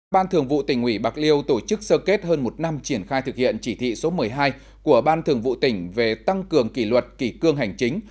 ban thường vụ tỉnh ủy bạc liêu tổ chức sơ kết hơn một năm triển khai thực hiện chỉ thị số một mươi hai của ban thường vụ tỉnh về tăng cường kỷ luật kỷ cương hành chính